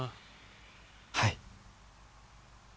「はい」